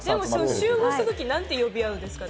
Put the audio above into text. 集合した時、何て呼び合うんですかね？